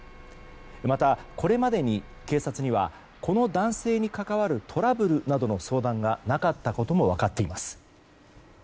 また、これまでに警察にはこの男性に関わるトラブルなどの相談がなかったことも分かっています。